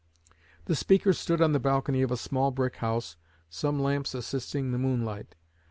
The speaker stood on the balcony of a small brick house, some lamps assisting the moonlight.